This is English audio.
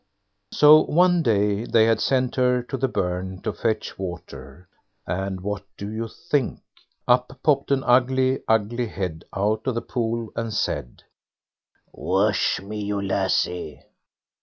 So one day they had sent her to the burn to fetch water: and what do you think? up popped an ugly, ugly head out of the pool, and said: "Wash me, you lassie."